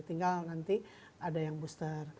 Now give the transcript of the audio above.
tinggal nanti ada yang booster